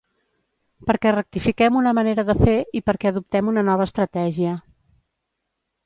Perquè rectifiquem una manera de fer i perquè adoptem una nova estratègia.